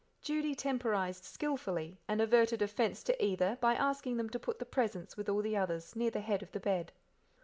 Judy temporized skilfully, and averted offence to either by asking them to put the presents with all the others near the head of the bed.